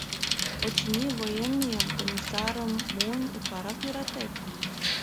— Очыни, военныйым, комиссарым монь, утларак йӧратет?